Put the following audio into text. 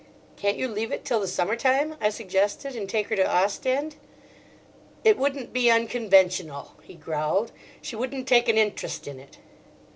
"Can't you leave it till the summer time," I suggested, "and take her to Ostend?" "It wouldn't be unconventional," he growled. "She wouldn't take an interest in it."